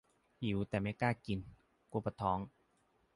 หิวแต่ไม่กล้ากิน กลัวปวดท้อง -_